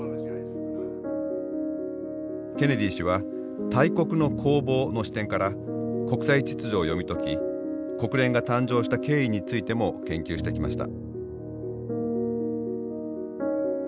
ケネディ氏は「大国の興亡」の視点から国際秩序を読み解き国連が誕生した経緯についても研究してきました。